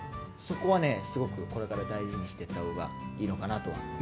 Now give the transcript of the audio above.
そこはね、すごくこれから大事にしていったほうがいいのかなとは。